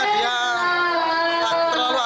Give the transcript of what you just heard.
karena dia terlalu agresif